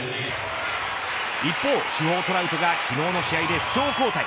一方、主砲トラウトが昨日の試合で負傷交代。